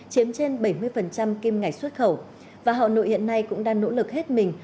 chiếm trên bảy mươi kim ngải xuất khẩu và họ nội hiện nay cũng đang nỗ lực hết mình